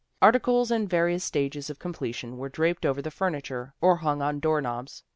Articles in various stages of completion were draped over the furniture, or hung on door knobs.